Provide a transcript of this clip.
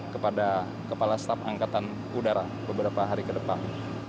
kepada kepala staf angkatan udara beberapa hari ke depan